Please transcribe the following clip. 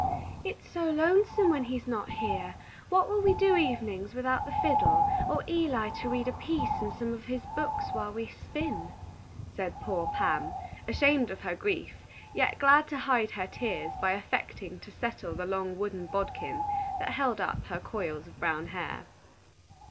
"It's so lonesome when he's not here. What will we do evenings without the fiddle, or Eli to read a piece in some of his books while we spin?" said poor Pam, ashamed of her grief, yet glad to hide her tears by affecting to settle the long wooden bodkin that held up her coils of brown hair.